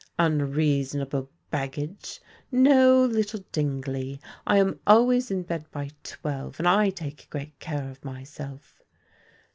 Unreasonable baggage! No, little Dingley, I am always in bed by twelve, and I take great care of myself."